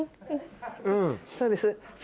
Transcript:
そうです。